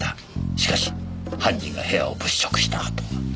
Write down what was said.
しかし犯人が部屋を物色したあとは。